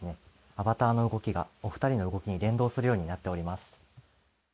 アバターの動きがお二人の動きに連動するようになっております。